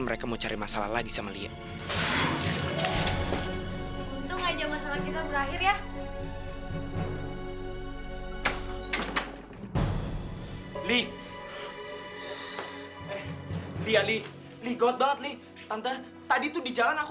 terus kita mesti gimana dong sekarang